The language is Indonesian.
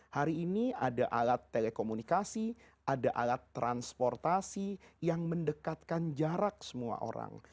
hari ini ada alat telekomunikasi ada alat transportasi yang mendekatkan jarak semua orang